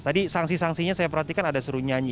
tadi sanksi sanksinya saya perhatikan ada seru nyanyi